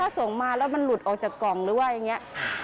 ส่งมาแล้วมันหลุดออกจากกล่องหรือว่าอย่างนี้